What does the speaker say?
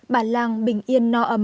bản làng bình yên no ấm